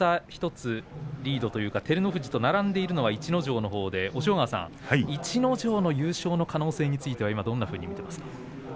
１つリードというか照ノ富士と並んでいるのは逸ノ城のほうで逸ノ城の優勝の可能性については今どんなふうに見ていますか？